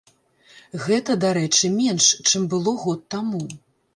Гэта, дарэчы, менш, чым было год таму.